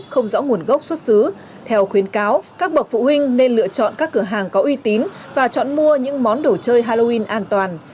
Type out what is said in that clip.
không rõ nguồn gốc xuất xứ theo khuyến cáo các bậc phụ huynh nên lựa chọn các cửa hàng có uy tín và chọn mua những món đồ chơi halloween an toàn